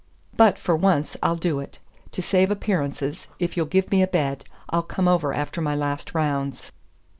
But, for once, I'll do it. To save appearance, if you'll give me a bed, I'll come over after my last rounds."